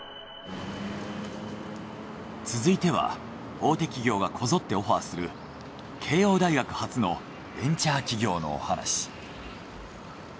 続いては大手企業がこぞってオファーする慶應大学発のベンチャー企業のお話。